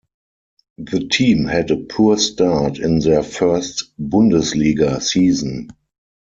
The team had a poor start in their first Bundesliga season.